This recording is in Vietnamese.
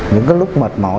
những cái lúc mệt mỏi